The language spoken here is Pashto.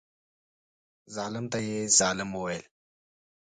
ظالم ته یې ظالم وویل.